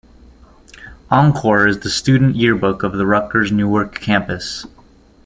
Encore is the student yearbook of the Rutgers Newark Campus.